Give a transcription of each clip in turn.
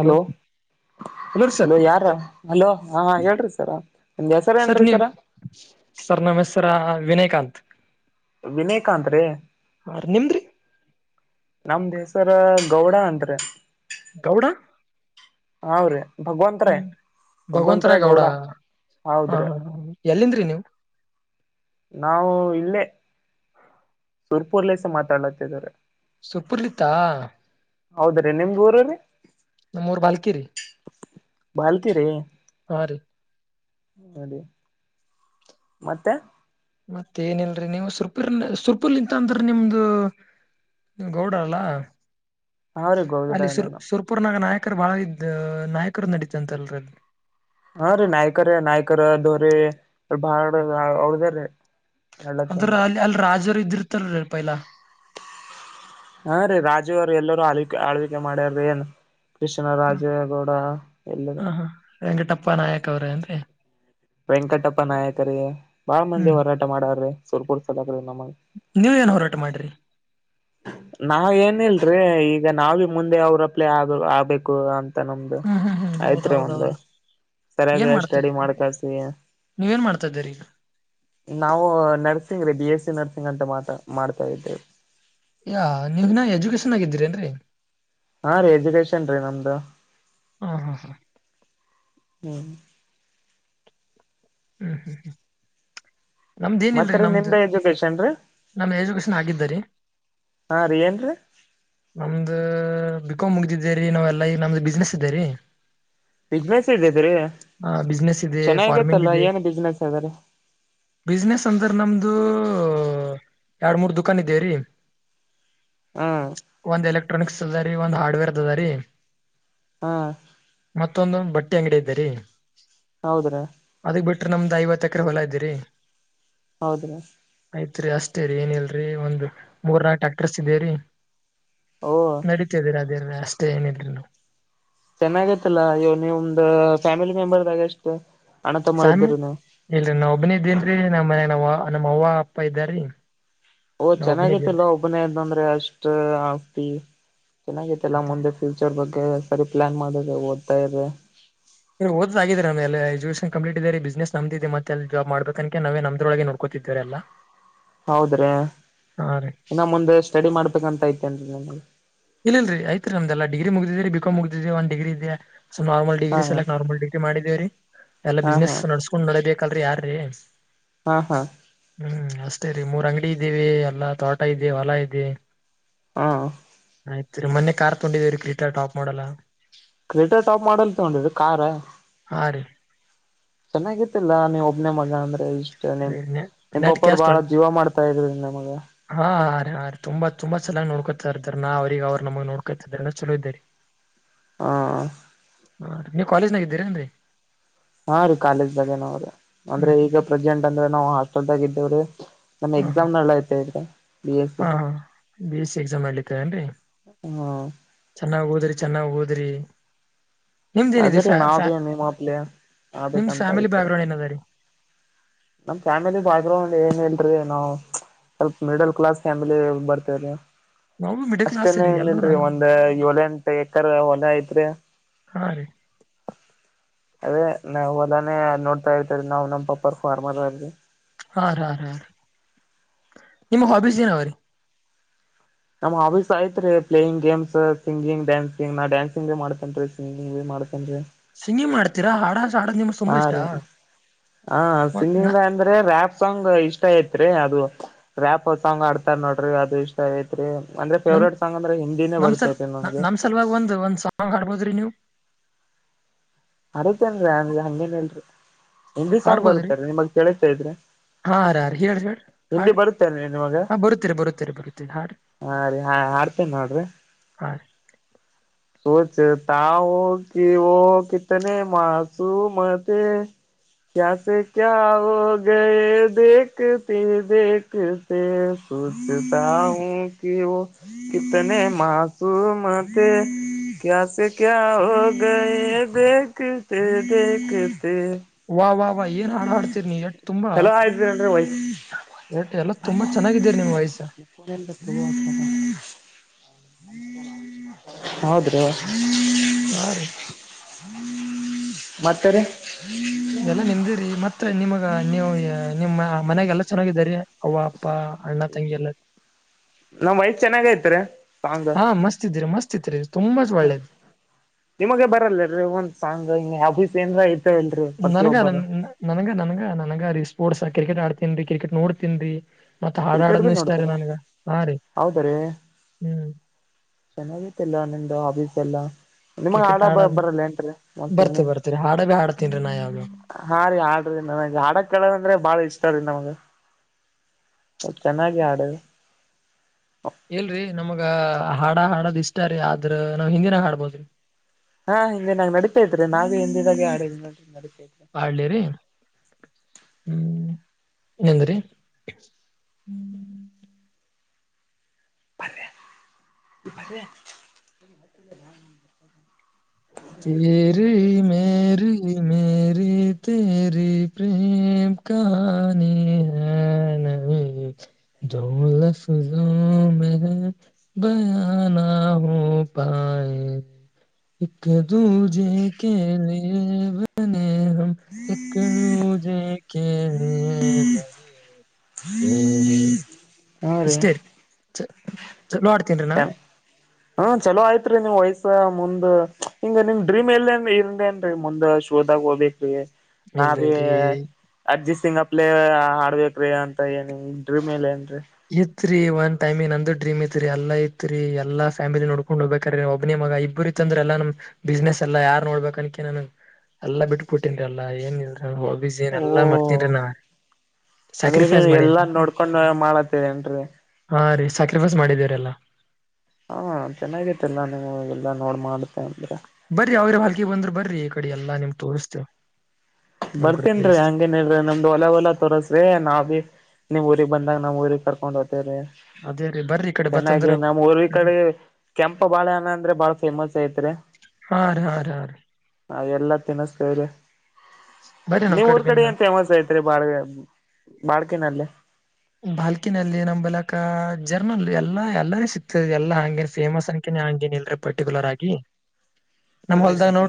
Hello ರೀ sir hello ಯಾರ hello ಹಾ ಹೇಳ್ರಿ ಸರ. ನಿಮ್ದ್ ಹೆಸರ ಸರ್ ಏನ್ರೀ ನೀವ ಸರ ಸರ್ ನಮ ಹೆಸರ ವಿನಯ ಕಾಂತ. ವಿನಯ ಕಾಂತ ರಿ. ನಿಮ್ದ್ರಿ ನಮ್ದ ಹೆಸರ ಗೌಡ ಅಂತ್ರೆ. ಗೌಡ. ಅವರಿ ಗೊತ್ತು ರಿ. ಭಗವಂತರ ಗೌಡ ಹ ಹೌದ್ರಿ ಎಲ್ಲಿಂದ್ರಿ ನೀವು. ನಾವು ಇಲ್ಲೇ ಸುರಪುರ್ ದಿಂದ ಮಾತಾಡತಾ ಇದ್ವಿ. ಸುರಪುರ ಇಂದ. ಹೌದ್ರೀ ನಿಮದ ಊರ ರೀ. ನಮ್ಮೂರ್ ಬಾಲ್ಕಿ ರಿ. ಬಾಲ್ಕಿ ರಿ. ಹ್ಮ್ಮ ರಿ. [unintelligible] ಮತ್ತೆ. ಮತ್ತ ಏನಿಲ್ಲ ರಿ ನೀವು ಸುರಪುರ ನಿಂತ ನಾವು ಸುರಪುರ್ ನಿಂತ ಅಂದ್ರ ನಿಮ್ದು. ಗೌಡರ ಅಲ್ಲ ಹಾ ರೀ ಅಲ್ಲಿ ಸುರ್ ಗೌಡ್ರೇನು ಸುರ್ಪುರ್ನಾಗ ನಾಯ. ಬಾಳ ಇದ ನಾಯಕರು ನಡೀತಂತಲ್. ಹಾ ರೀ ನಾಯ್ಕರ ನಾಯ್ಕರ ದೊರೆ ಬಾಳ ಅದಾವ ರೀ. ಅಂತ್ರ ಅಲ್ಲಿ ಅಲ್ಲಿ ರಾಜರು ಇದ್ದಿರ್ತಾರ ಅಲ್ಲ ಪೈಲ. ಹಾ ರೀ ರಾಜ ರಾಜ ಅವರು ಎಲ್ಲರೂ ಆಳ್ವಿಕೆ ಆಳ್ವಿಕೆ ಮಾಡ್ಯಾರ. ಕೃಷ್ಣ ರಾಜೇಗೌಡ ಎಲ್ಲರ. ಹ ಹಾ ವೆಂಕಟಪ್ಪ ನಾಯಕ್ ಅವ್ರೇ ಏನ್ರಿ. ವೆಂಕಟಪ್ಪ ನಾಯಕರಿ ಬಾಳ ಮಂದಿ ಹೋರಾಟ ಮಾಡಾರ್ರೀ ಸುರಪುರ ಕಡೆ. ನೀವ ಏನ್ ಹೋರಾಟ ಮಾಡ್ರಿ. ನಾವ ಏನಿಲ್ರಿ ಈಗ ನಾವಿ ಮುಂದೆ ಅವ್ರಪ್ಲೆೇ ಆಗ ಆಗಬೇಕು ಅಂತ. ನಮ್ದು ಹ್ಮ್ ಹ್ಮ್ ಹ್ಮ್ ಆಯ್ತ್ ರಿ ಒಂದು. ಹೌದೌದೌದು ಏನ್ ಸರಿಯಾಗಿ ಸ್ಟೆಡಿ ಮಾಡ್ತಿದ್ರಿ ಮಾಡಕೇಸಿ. ನೀವೇನ್ ಮಾಡ್ತಾ ಇದ್ದೀರಿ ಈಗ ನಾವು ನರ್ಸಿಂಗ್ ರೀ ಬಿ ಎಸ್ ಸಿ ನರ್ಸಿಂಗ್ ಅಂತ ಮಾತಾ ಮಾಡ್ತಾ ಇದ್ದೇವಿ. ಹೌದ ನೀನೆ ಎಜುಕೇಶನ್ ಆಗಿತ ಏನ್ರಿ. ಹ್ಮ್ಮ್ ರೀ ಎಜುಕೇಶನ್ ರೀ ನಮ್ದು. ಹ್ಮ್ಮ ಹ್ಮ್ಮ ಹ್ಮ್ಮ. ಹ್ಮ ರಿ. [unintelligible] ಮತ್ತ ರಿ ನಿಮ್ದ ಎಜುಕೇಶನ್ ರೀ. ನಮ್ದ ಏಜುಕೇಶನ್ ಆಗಿದ್ದರಿ. ಹಾ ರೀ ಏನ್ರೀ ನಮ್ದ ಬಿಕಾಾಮ್ ಮುಗದೀದೆ ನಾವಲ್ಲಾ ಈಗ ನಮ್ದು ಬಿಸ್ನೆಸ್ ಇದ್ದೇ ರಿ. ಬಿಸಿನೆಸ್ ಇದ್ದಿದ್ರೀ ಬಿಸ್ನೆಸ್ ಇದೆ ಚೆನ್ನಾಗತ್ತಲ್ಲ ಏನ್ ಬಿಸಿನೆಸ್ ಅದಾರ. ಬಿಸಿನೆಸ್ ಅಂದ್ರೆ ನಮ್ದು. ಎರಡ ಮೂರ ದುಕಾನ್ ಇದದೆೇ ರೀ. ಹ್ಮ್ಮ್. ಒಂದ್ ಎಲೆಕ್ಟ್ರಾನಿಕ್ಸ್ ಅದ ರಿ ಒಂದು ಹಾರ್ಡವೇರ್ ದು ಇದೆ ರಿ ಹಾ ಮತ್ತೊಂದು ಬಟ್ಟ. ಬಟ್ಟೆ ಅಂಗಡಿ ಇದೆ ರಿ. ಹೌದ್ರೆ. ನಮ್ದ ಐವತ್ತ ಎಕರೆ ಹೊಲ ಇದ್ದೀರಿ. ಹೌದ್ರಾ. ಜಾಸ್ತಿ ಏನ್ ಇಲ್ಲ ರಿ ಒಂದ ಮೂರ ನಾಲ್ಕು ಟ್ಯಾಕ್ಟರ್ಸ್ ಇದೇ ರಿ. ಓ ನಡೀತದ ರಿ ಅದೇನ ಅಷ್ಟೇ ಏನೀಲ ರಿ. ಚೆನ್ನಾಗತ್ತಲ್ಲಾ ಇವು ನಿಮ್ದ್ ಫ್ಯಾಮಿಲಿ ಮೆಂಬರ್ ದಾಗ ಎಷ್ಟು. ಅಣ್ಣ ತಮ್ಮರು ಸಾಮಿ ಇದ್ದೀರಿ ನೀವು ಇಲ್ರಿ ನಾ ಒಬ್ನೇ ಇದ್ದೇನ್ರಿ ನಮ್ಮ್ ಮನ್ಯಾಗ ನಾವ್ ನಮ್ಮ್ ಅವ್ವ ಅಪ್ಪ ಇದ್ದಾರಿ. ಓ ನಾವ್ ಒಬ್ಬನೇ ಇದೇನ್ರಿ ಚೆನ್ನಾಗೈತಲ್ಲೊ ಒಬ್ಬನೇ ಇದ್ದಂದ್ರೆ ಅಷ್ಟ ಆಸ್ತಿ. ಚೆನ್ನಾಗೈತಲ್ಲ ಮುಂದೆ ಫ್ಯೂಚರ್ ಬಗ್ಗೆ ಸರಿ ಪ್ಲಾನ್ ಮಾಡಿದ್ರ ಓದ್ತಾ ಇರ್ ಇ ಓದ್ ಆಗಿದ್ರ ನಮ್ ಎಲ್ಲ ಎಜುಕೇಶನ್ ಕಂಪ್ಲೀಟ್ ಇದೇರಿ ಬಿಸ್ನೆಸ್ ನಮ್ದೇ ಇದೆ ಮತ್ತೆಲ್ಲ ಜಾಬ್ ಮಾಡ್ಬೇಕ ಅನ್ಕೆ ನಾವೇ ನಮ್ದ್ರೊಳಗೆ ನೋಡ್ಕೋತಿದೇವರೆಲ್ಲ. ಹೌದ್ರಿ ಇನ್ನ ಮುಂದೆ ಸ್ಟಡಿ ಮಾಡ್ಬೇಕಂತ ಐತೆನ್ರಿ ನಿಮಗ. ಇಲ್ಲಲ್ರಿ ಐತ್ರಿ ನಮ್ದೆಲ್ಲ ಡಿಗ್ರಿ ಮುಗಿದಿದೆರಿ ಬಿಕಾಂ ಮುಗಿದಿದೆ ಒಂದ್ ಡಿಗ್ರಿ ಇದೆ. ಸೊ ನಾರ್ಮಲ್ ಹಾ ಡಿಗ್ರಿ ಹಾ ಸಲ್ಯಕ್ ನಾರ್ಮಲ್ ಡಿಗ್ರಿ ಮಾಡಿದೆವ್ರಿ ಎಲ್ಲ ಹಾ ಹಾ ಬಿಸ್ನೆಸ್ ನಡ್ಸ್ಕೊಂಡ್ ನಡ್ಯಬೇಕ ಕಲ್ರಿ ಯಾರೀ. ಹಾ ಹಾ ಹ್ಮ್ ಅಷ್ಟೇ ರೀ ಮೂರ್ ಅಂಗಡಿ ಇದೀವಿ ಎಲ್ಲಾ ತೋಟ ಇದೆ ಹೊಲ ಇದೆ. ಹಾ ಆಯ್ತ್ ರೀ ಮನ್ನೆ ಕಾರ್ ತೊಂಡಿದೇವ್ರಿ Creta top model. Creta top model ತಗೊಂಡಿರಿ ಹಾ ರಿ ಚೆನ್ನಾಗಿತ್ತಲ್ಲ ನೀ ಒಬ್ನೇ ಮಗ ಅಂದ್ರೆ ಇಷ್ಟ. ಅಷ್ಟೇ ನಿಮ್ ನಿಮ್ಮ್ ನೆಟ್ ಪಪ್ಪೋರ್ ಕ್ಯಾಶ್ ಬಾಳ ಟ್ವೆಂಟಿ ಜೀವ ಮಾಡ್ತಾ ಇದ್ರು ನಮಗ. ಹಾ ಹಾ ರೀ ತುಂಬಾ ತುಂಬಾ ಚೆನ್ನಾಗ್ ನೋಡ್ಕೋತಾ ಇರ್ತಾರ ನಾ ಅವ್ರಿಗ ಅವ್ರ ನಮಗ್ ನೋಡ್ಕೋತ ಇದ್ರೆಲ್ಲ ಚಲೋ ಇದ್ದರಿ. ಹ ಹಾ ರಿ ನೀವ್ ಕಾಲೇಜ್ನಾಗ ಇದ್ದೀರ ಏನ್ರಿ. ಹಾ ರೀ ಕಾಲೇಜ್ದಾಗೇನೋವ್ರೀ ಹ್ಮ್ ಅಂದ್ರೆ ಹ್ಮ್ ಈಗ ಪ್ರೆಸೆಂಟ್ ಅಂದ್ರ ನಾವು ಹಾಸ್ಟೆಲ್ದಾಗ ಇದ್ದೇವ್ರೀ. ನಮ್ಮೂ ಹಾ ಎಕ್ಸಾಮ್ ನಲ್ಯತ ಇದ್ದ ಬಿ ಎಸ್ ಸಿ ಹಾ ಹಾ ಬಿ ಎಸ್ ಸಿ ಎಕ್ಸಾಮ್ ಮಾಡ್ಯತವ ಏನ್ರಿ ಹ್ಮ್ ಚೆನ್ನಾಗ್ ಓ ದ್ರಿ ಚೆನ್ನಾಗ್ ಓದ್ರಿ. ನಿಮ್ದ ಏನಿದೆ ಅದ್ರೀ ಫ್ಯಾ ಫ್ಯ ನಾವ್ ನಿಮ್ಮಪ್ಲೆ ನಿಮ್ ಆಗ್ಬೇಕಂತ ಫ್ಯಾಮಿಲಿ ಐತ್ರಿ ಬ್ಯಾಗ್ರೌಂಡ್ ಏನ ಅದ ರೀ. ನಮ್ ಫ್ಯಾಮಿಲಿ ಬ್ಯಾಗ್ರೌಂಡ್ ಏನ್ ಇಲ್ರಿ ನಾವ್. ಸ್ವಲ್ಪ ಮಿಡಲ್ ಕ್ಲಾಸ್ ಫ್ಯಾಮಿಲಿ ಬರ್ತೇವ್ರಿ. ನಾವು ಮಿಡಲ್ ಕ್ಲಾಸ್ ಅಷ್ಟೇನ ರೀ ಎನ್ ಎಲ್ಲರೂ ಇಲ್ರಿ ಒಂದ್ ಏಳ ಎಂಟು ಎಕರ್ ಹೊಲ ಐತ್ರಿ. [unintelligible] ಅದೇ ನಾವ್ ಹೊಲಾನೇ ನೋಡ್ತಾ ಇರ್ತರಿ ನಾವ್ ನಮ್ ಪಪ್ಪರ್ ಫಾರ್ಮರ್ ಹರರಿ. ಹಾರ ಹಾ ರ್ ಹಾ ರ್ ನಿಮ್ಮುಗ್ ಹಾಬೀಸ್ ಏನ ಅವರಿ. ನಮ್ಮ್ ಆಬೀಸ್ ಐತ್ರಿ ಪ್ಲೇಯಿಂಗ್ ಗೇಮ್ಸ್ ಸಿಂಗಿಂಗ್ ಡ್ಯಾನ್ಸಿಂಗ್ ನಾ ಡ್ಯಾನ್ಸಿಂಗ್ ಬಿ ಮಾಡತೇನ್ ರೀ ಸಿಂಗಿಂಗ್ ಬಿ ಮಾಡ್ ಮಾಡ್ಕಂಡ್ರಿ. ಸಿಂಗಿಂಗ್ ಮಾಡ್ತೀರಾ ಹಾಡ ಹ್ ಹ ರಿ ಹ ಒಂದ್ ನ ಸಿಂಗಿಂಗ್ ಅಂದ್ರೆ ರ್ಯಾಪ್. ಸಾಂಗ್ ಇಷ್ಟ ಐತ್ರಿ ಅದು ರ್ಯಾಪ್ ಸಾಂಗ್ ಹಾಡ್ತಾರ್ ನೋಡ್ರಿ ಅದು ಇಷ್ಟ ಐತ್ರಿ. ಅಂದ್ರೆ ನನ್ ಫೇವ್ರೇಟ್ ಸಾಂಗ್ ಅಂದ್ರೆ ಹಿಂದಿನೇ ನಮ್ ಸಲ್ ಬರ್ತೈತಿ ನನಗೆ. ನಮ್ ಸಲುವಾಗಿ ಒಂದ್ ಒಂದ್ ಸಾಂಗ್ ಹಾಡ್ಬೋದ್ರಿ ನೀವು ಆರತೇನ್ರಿ ಅಂಗ ಹಂಗೇನ ಇಲ್ರಿ ಹಿಂದಿ ಸಾಂಗ್ ಹಾಡ್ಬೋದ್ರಿ ಬರುತೇರಿ ನಿಮಗ್ ಕೆಳ್ಸತೈತ್ರಿ. ಹಾ ರ್ ರಾರಿ ಹೇಳ್ರಿ ಹೇಳ್ರಿ ಹಾಡ್ರಿ ನಿಮಗ ಹಾ ಬರುತ್ತೆರಿ ಬರುತ್ತೆರಿ ಬರುತ್ತೆರಿ ಹಾಡ್ರಿ. ಹಾ ರೀ ಹಾ ಹಾಡ್ತೀನ ನೋಡ್ರಿ. ಹಾ ರಿ ಸೋಚತಾವೋ ಕೀವೋ ಕಿತನೆ ಮಾಸೂಮತೆ. ಕ್ಯಾಸೆ ಕ್ಯಾ ಹೋಗಯೇ ದೇಖತೆ ದೇಖತೆ. ಸೂಚುತಾಂವೋಕಿ ಓ ಕಿತನೆ ಮಾಸೂಮತೆ. ಕ್ಯಾಸೆ ಕ್ಯಾ ಹೋಗಿಯೇ ದೇಕತೆ ದೇಕ್ ತೆ ವಾ ವಾ ವಾ ಏನ್ ಹಾಡ್ ಹಾಡ್ತೀರಿ ನೀ ಎಟ್ ತುಂಬಾ ಚಲೋ ಹಾಡ್ತೇನ್ರೀ ವೈ ಎಟ್ ಎಲ್ಲಾ ನನ್ ಫೋನ್ ಚಾಲೂ ಅದ ತುಂಬಾ [unintelligible] ಚೆನ್ನಾಗಿದ್ದೀರಿ ನಿಮ್ ವಾಯ್ಸ್ ನಿನ್ನ್ ಫೋನ್ ಎಲ್ಲದ ತೊಗೊ [unintelligible] ಹೌದ್ರಿ. ಹಾ ರೀ ಮತ್ತೇರಿ. ಏಲ್ಲಾ ನಿಮ್ದೇರೀ ಮತ್ತ ನಿಮಗ ನೀವು ಏ ನಿಮ್ಮ ಮನ್ಯಾಗ ಎಲ್ಲಾ ಚೆನ್ನಾಗಿದ್ದರಿ. ಅವ್ವ ಅಪ್ಪಾ ಅಣ್ಣ ತಂಗಿ ಎಲ್ಲ ನಮ್ ವಯಸ್ ಚೆನ್ನಾಗ ಐತ್ರಿ ಸಾಂಗ್ ಹಾ ಮಸ್ತ್ೀರಿ ಮಸ್ತ್ತ್ರಿ ತುಂಬ ಒಳ್ಳೇದು್ ನಿಮಗೆ ಬರಲ್ಲ ರೇವಂತ್ ಸಾಂಗ ಅಬೀಸ್ ಏಂದ್ರ ನನ್ಗ ನ ನನಗ ನನ್ಗ ನನಗ ರೀ ಸ್ಪೋರ್ಟ್ಸ್ ಕ್ರಿಕೆಟ್ ಆಡ್ ತಿನ್ರಿ ಕ್ರಿಕೆಟ್ ನೋಡ್ತನ್ರಿ ಮತ್ತ್ ಕ್ರಿಕೆಟ್ ಬಿ ಹಾಡಾಡನು ಇಷ್ಟಾರಿೀ ನೋಡ್ತೀರ ನನ್ಗ ಹಾ ರೀ ಹ್ಮ್ ಚೆನ್ನಾಗಿತಿಲ್ಲ ನಿಮ್ದ ಹಬೀಸ್ ಎಲ್ಲಾ ನಿಮಗ್ ಕ್ರಿಕೆಟ್ ಆಡ ಬ ಹಾಡೋದ್ ಬರಲ್ಲ ಏಟ್ರೀ ಒಂದ್ ಬರ್ತ್ ತಿಂಗಿ ಬರ್ತ್ರಿ ಹಾಡ ಬಿ ಹಾಡ್ತೀನ್ರಿ ನಾ ಯಾವ್ಯಾವ ಹಾ ರೀ ಆಾಡ್ರಿ ನನಗೆ ಹಾಡ ಕಳರ್ ಅಂದ್ರೆ ಬಾಳ ಇಷ್ಟ ಮ ಚೆನ್ನಾಗಿ ಆಡ ಎಲ್ರಿ ನಮಗ ಹಾಡ ಹಾಡದ್ ಇಷ್ಟಾರಿೀ ಆದ್ರ ನಾವ್ ಹಿಂದಿನಾಗ ಹಾಡ್ಬೋದ್ರಿ ಹಾ ಹಿಂದೆ ನಾಗ್ ನಡಿಟೈತ ಇದ್ರೆ ನಾಬೀ ಹಿಂದಿದಾಗೆ ಆಡ ನಡೇ ಆಡ್ಲಿ ರೀ ಹ್ಮ್ ನಿಂದ್ರಿ [unintelligible] ತರಿ ಮೇರಿ [unintelligible] ಮೇರಿ ತೇರಿ ಪ್ರೇಮ ಕಾನಿ [unintelligible] ಹ ನಹಿ ದೊಲಾಫ ಜೋ [unintelligible] ಬಯಾನ ಹ ಪಾಯ [unintelligible] ಕ ದೂಜ ಜೇಕೆ ಲಿಯೇಬಿನ ನಹಿ [unintelligible] ತೆ ಹಾರಿ ಚ ಹ್ಮ ಚಲೋ ಆಯ್ತ್ರಿ ನಿಮ್ಮ್ ವಯಸ್ಸ ಮುಂದ ಹಿಂಗ ನಿಮ್ ಡ್ರೀಮ್ ಎಲ್ಲೇಏನ್ ಇರನ್ೇಏನ್ೀ ಮುಂದ್ ಶೋದಾಗ ಹೋಗಬೇಕೇ್ರಿ ನಾ ಇಲ್ರಿ ಬಿ ಇಲ್ರಿ ಅಜ ತಿಂಗಪ್ಲೇ ಆಡ್ಬೇಕ್ರಿ ಅಂತ ಏನ ಇದ್ರ ಮೇಲೆ ಏನ್ರರಿ ತ್ೀ ಒನ್ ಟೈಮಂಗ ನ ಅಂದು ಡ್ರೀಮ್ಐತ್ರಿ ಎಲ್ಲ ಐತ್ರಿ ಎಲ್ಲ ಫ್ಯಾಮಿಲಿ ನೋಡ್ೊಂಡ ಹೋಗ್ಬೇಕಾರೆ ರ ಒಬ್ಬನ ಮ ಇಬ್ಬರು ಂದ್ರೆ ಎಲ್ಲ ನಮ್ ಬಿಸ್ನೆಸ್ ಎಲ್ಲ ಯಾರ್ು ನೋಡ್ಬೇಕ ಅನಕ ನನ್ ಎಲ್ಲ ಬಿಟ್ಟ ಕೊಟ್ಟನ್ಿ ಎಲ್ಲ ಏನ್ ಹಬಜ ಏನ್ ಓ ಎಲ್ಲಾ ಮಾಡರ್ತೇನ್ೀ ನಾ ಸಕ್ರಿಫೈಸ್ ಮಾಡೇನ್ರಿ ಕಕೊಂಡ ಮಾಡತ್ತೇರಿ ಏನ್ರಿ ಹಾ ರೀ ಸಾ್ಯಾಕ್ರಿಫೈಸ್ ಮಾಡಿದೀವ್ರಲ್ಲ ಹಾ ಚೆನ್ನಾಗೈತಿಲ್ಲ ನೀವು ಎಲ್ಲಾ ನೋಡ್ ಮಾಡುತ್ತೆ ಅಂದ್ರೆ ಬರ್ರಿ ಅವ್ರ ಭಲ್ಕಿ ಬಂದ್ರ ಬರ್ರಿ ಈ ಕಡೆ ಎಲ್ಲಾ ನಿಮ ತೋರಿಸತೇವ ಬರ್ತನ್ ರೀ ಹಂಗೇನ್ ಇಲ್ಿ ನಮ್ದು ಹೊಲ ಒಲ ತೋರಸ್ರಿ ನಾವಿ ನೀಮ್ರಿ ಬಂದಾಗ ನಾ್ ಊರಿ ಕರ್ಕೊಂಡ್ ಹ ಹೊತೇ್ರ ಅದೇ ರೀ ಬರ್ರಿ ಈ ಕಡೆ ಚೆನ್ನಾಗಿ ಬತ್ತಂದ್ರ ನಮ್ಮ್ ಊ ಕಡೆ ಕೆಂಪ ಬಾಳೆಹಣ ಅಂದ್ರೆ ಬಾಳ ಫೇಮಸ್ ಐತ್ರಿ ಹಾ ರ ಹಾಗ ಎಲ್ಲ ತಿನಸ್ಕ್ರ ಬರ್ರಿ ನಮ್ ನೀವ್ ಊರ್ ಕಡೆ ಬಿನ್ ಏನ್ ಫೇಮಸ್ ಐತ್ರಿ ಬಾಳಗ ಮಾಡ್ತೀನಿನಲ್ಲೇ ಬಾಲ್ಕಿನಲ್ಲಿ ನಮ್ಲಕ ಜರ್ನಲ್ ಎಲ್ಲಾ ಎಲ್ಲಾರ ಸಿಕ್ತದೆ ಎಲ್ಲಾ ಹಂಗೇನ್ ಫೇಮಸ್ ಅನ್ ೇನಲ್್ರೆ ಪರ್ಟಿಕುಲರ್ ಆಗಿ ನಮ್ ಹೊಲ್ದಾಗ ನೋ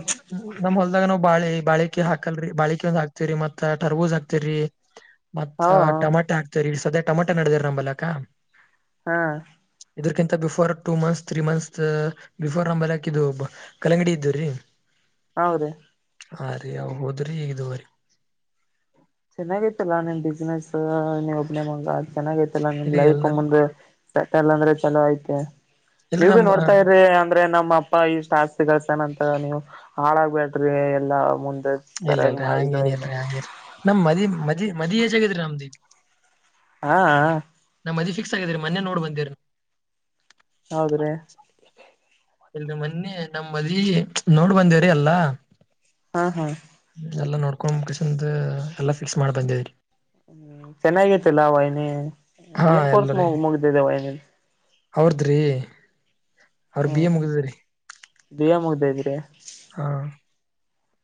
ನಮ್ ಹೊಲ್ದಾಗ ನೋವು ಬಾಳೆ ಬಾಳಿಕೆ ಹಾಕಲ್ರಿ ಬಾಳಿಕೆ ಒಂದ್ ಹಾಕ್ ಹಾಕ್ತಿರಿ ಮತ್ತ ಟರ್ಬೂಜ ಹಾಕ್ತಿರಿ ಹ ಮತ್ತ ಟಮಾಟೆ ಹಾಕ್ತಿ ಸದ ಟಮೊಟಾ ನಡೆದಾರ ನಂಬಲ್ಲಕ್ಕ ಹಾ ಇದರ್ಕಿಂತ before two months three months before ನಮ್ಮ ಬಲಕ್ ಇದು ಕಲಂಗಡಿ ಇದ್ರರಿ ಹೌದೀ ಹಾ ರೀ ಅವ್ವು ಹೋದ್ರಿ ಹೇಗಿದುವರಿ ಚೆನ್ನಾಗೈತಿಲ್ಲಾ ನಿನ್ ಬಿಸ್ಿನನೆಸ್ ನೀ ಒಬ್ನೇ ಮಂಗ ಚೆನ್ನಾಗೈತೆಲ್ಲ ನಿಮ ಇಲ್ಲಿ ಲೈಫ್ ಎಲ್ಲ ಮುಂದ ಬೆಟಲ್ಲ ಅಂದ್ರೆ ಚಲೋ ಐತೆ ಇಲ್ರಿ ನೀವ ಭ ನಮ್ ನೋಡ್ತಾ ಇ್ರಿ ಅಂದ್ರೆ ನಮ್ಮ ನಮ್ಮ ಅಪ್ಪ ಇಷ್ಟ ಆಸ್ತಿ ಕಳ್ತನ ಅಂತ ನೀವು ಹಾಳಾಗ್ಬೇಡ್ರಿ ಎಲ್ಲಾ ಮುಂದ ಇಲ್ಲಲ್ರರಿ ಹಂಗ ಏನಿ ಇಲ್ರಿ ಹಂಗ ಇಲ್ರಿ ನಮ್ ಮದಿ ಮದಿ ಮದಿ ಯಜಗಿದ್ರಿ ನಮ್ದು ಇ ಹಾ ಹ ಮದಿ ಫಿಕ್ಸ್ ಆಗಿದೀರಿ ಮೊೆ ನೋಡ್ ಬಂದಿರ ಹೌದ್ರೀ ಇಲ್ ಮೊನ್ನೆ ನಮ್ಮ್ ಮದಿ ನೋಡ್ ಬಂದವರಿೀ ಅಲ್ಲಾ ಹಾ ಹಾ ಎಲ್ಲಾ ನೋಡ್ಕೊಂಡ್ಸಂದ್ ಎಲ್ಲಾ ಫಿಕ್ಸ್ ಮಾಡಿ ಬಂದಿದರಿ ಹ್ಮ್ ಚೆನ್ನಾಗಿತಿಲ್ಲ ಅವಾಯನ ಹಾ ಏನ್ ಕೊರ್ಸ್ ಎಲ್ರಿ ಮುಗ ಮುಗ್ದಿದೆೇವನನ್ ಅವ್ರದ್ರಿ ಅವ್ರ ಹ್ಮ ಬಿ ಎ ಮುಗಿದ್ರಿ ದಯ ಮುಗ್ದ ಇದ್ದೀರ ಹಾ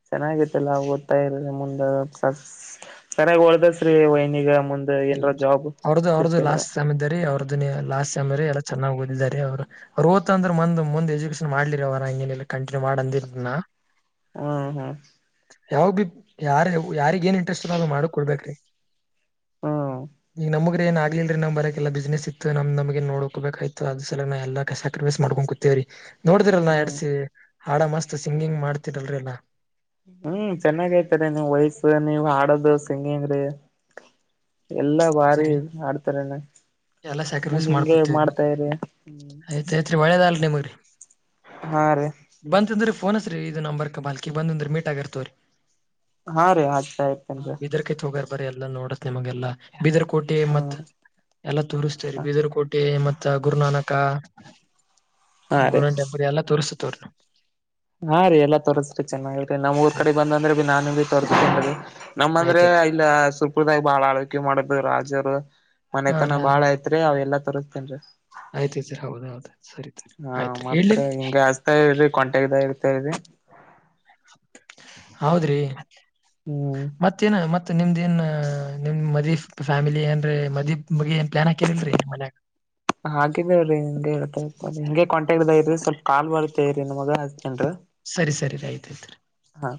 ಚೆನ್ನಾಗಿೈತ್ತಲ್ಲ ಗೊತ್ತಾ ಇರ ಮುಂದ ಚೆನ್ನಾಗಿ ಒಳದಸ್ರೀ ವೈನಿಗ ಮುಂದ ಅವ್ರದ್ದು ಅವ್ರದ್ದು ಲಾಸ್ಟ್ ಸಮಮ್ ಇದ್ದರಿ ಅವ್ರದ್ದು ಅ ಲಾಸ್ಟ್ ೈಮ ಎಲ್ಲ ಚೆನ್ನಾಗ ಓದಿದಿದ್ದಾರೆ ಅವರು್ರು ಓ್ತಂದ್ರೆಂದ ಮುಂದ್ ಎಜುಕೇಶನ್ ಮಾಡ್ಲಿರಿ ಅವರು ಹಂಗನಿಲ್ಲ ಕಂಟಿನ್ಯೂ ಮಾಡ ಅಂದಿಲ್ನಾ ಹ್ಮ ಹಾ ಯಾವಾಗ ಬಿ ಯಾರ್ ಯಾರಿಗ ಏನ್ ಇಂಟ್ರೆಸ್ಟ್ ಮಾಡ ಕೊಡ್ಬೇಕ್ರಿ ಹ್ಮ್ ನೀ ನಮಗೆ ಏನ್ ಆಗ್ಲಿಲ್ರಿ ನ್ ಬರಕಲ್ಲ ಬಿಸ್ನೆಸ್ ಇತ್ತು ನಮಗೆ ನೋಡ್ಕೋಬೇಕಕ್್ ಅದ ಸಲ ನಾ ಎಲ್ಲ ಸಾಕ್ರಿಫೈಸ್ ಮಾಡಕೊಂಡು ಕುೂೇವ್ರೀ ನೋಡ್ದಿರಲ್ ನಾ ಹ್ಮ್ ಎಡ್ಸಿ ಹಾಡ ಮಸ್ತ್ ಸಿಂಗಿಂಗ್ ಮಾಡ್ತಿರಲ್ರಿಲ್ಲಾ ಹ್ಮ್ ಚೆನ್ನಾಗೈತಾರೆ ನೀವು್ ವಯಸ್ಸ ನೀವ್ ಹಾಡದು ಸಿಂಗಿಂಗ್ರೀ ಎಲ್ಲಾ ಭಾರಿ ಸರಿ ಆಡ್ತಾರನೆ ಎಲ್ಲಾ ಸ್ಯಾಕ್ರಿಫೈಸ್ ಮಾಡ್ಕೊತವ್ರಿ ಆಯ್ತ್ ಆಯ್ತ್ರಿ ಒಳ್ಳೇದಲ್ ನಿಮ್ರರಿ ಹಾ ರೀ ಬಂತಂದ್ರಿ ಫೋನ್ಸ ರೀ ಇದು ನಂಬರ್ ಕ ಬಾಲ್ಕ ಬಂದ್ರ ಮೀಟ್ ಆಗಿರ್ತವ್ರೀ ಹಾ ರೀ ಆ್ತ ಆಯ್ತನ್ರ ಬರಿ ಎಲ್ಲಾ ನೋಡಸ್ ನಿಮಗೆಲ್ಲಾ ಬೀದರ್ ಕೋಟೆ ಹ್ಮ ಮತ್ ಎಲ್ಲ ತೋರಿಸ್ತೇರಿ ಬೀದರ್ ಕೋಟೆ ಮತ್ತ ಗುರುನಾನಕ್ ಅಕ್ಕ ಹಾ ರೀ ಗುಡಂಟೆಬುರಿ ಎಲ್ಲ ತೋರ್ಸತ ಹಾ ರೀ ಎಲ್ಲ ತೋರ್ಸ್ರಿ ಚೆನ್ನಾಗಿ್ರೀ ನಮ್ಮ ಊರ್ ನಾವ್ ಕಡೆ ಬಂದ ಅಂದ್ರೆ ಬಿ ನಾನು ಬಿ ತೋರ್ಸೀ ನಮ್ಮ ಅಂದ್ರೆ ಆಯ್ತಾಯ್ತ್ ಇಲ್ಲ ಸುಲ್ಪ್ರದಾಯ ಬಾಳ ಆಳ್ವಕೆ ಮಾಡಬೇಕರು ರಾಜರು ಹಾ ಮನೆತನ ಬಾಳ ಐತ್ರಿ ಅವ ಎಲ್ಲಾ ತೋರಿಸಸ್ತೇನ್ರಿ ಆಯ್ತಾಯತ್ರಿ ಹೌದ ಹೌದು ಹಾ ಮತ್ರ ಹಿಂಗಗೆ ಹಚ್ತಾ ಇರಿ ಕಂಟಗದ ಇರ್ತಾ ಇರಿ ಹೌದ್ರಿ ಹ್ಮ್ ಮತ್ತೇನ ಮತ್ತೆ ನಿಮ್ದ ಏನ್ ನಿಮ್ ಮದೀಿ ಫ್ಯಾಮಿಲಿ ಏನ್್ರೀ ಮದಿ ಬಗ್ ಏನ್ ಪ್ಲಾನ್ ಹಾಕಿರ್ಲ್ರಿೀ ನಿಮ್ಮ ಮನ್ಯಾಗ ಹಾಗಿದ ರೀ ನಿನ್ ಹೇತಾ ಇ ಹಿಂಗೆ ಕಾಂಟಕ್ ಇದರಿ ಸ್ವಲ್ಪ ಕಾ ಬತ್ತತೇರಿ ನಿಮ್ಮ ಮಗ ಸರಿ ಸರಿ ಆಯ್ತ ಐತ್ರಿ ಹಾ